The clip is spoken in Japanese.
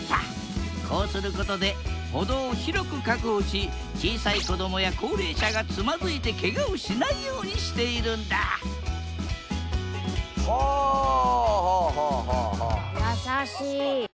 こうすることで歩道を広く確保し小さい子どもや高齢者がつまずいてケガをしないようにしているんだはあはあはあ。